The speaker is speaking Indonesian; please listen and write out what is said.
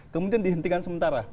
kemudian dihentikan sementara